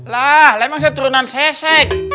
lah lah emang saya turunan sesek